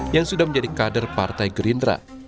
yang sudah menjadi kader partai gerindra